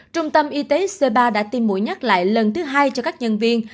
trung tâm y tế c ba đã tiêm mũi nhắc lại lần thứ hai cho các nhân viên